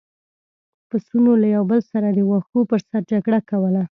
پسونو له یو بل سره د واښو پر سر جګړه کوله.